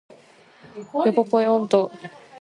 ヨポポイ音頭